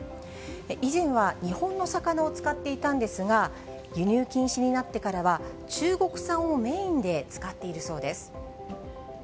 以前は、日本の魚を使っていたんですが、輸入禁止になってからは、中国産をメインで使っているそうです。